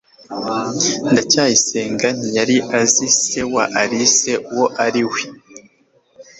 ndacyayisenga ntiyari azi se wa alice uwo ari we